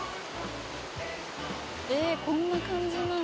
えーっこんな感じなんだ。